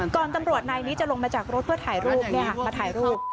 ก่อนตำรวจนายนี้จะลงมาจากรถเพื่อถ่ายรูป